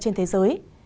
trên thế giới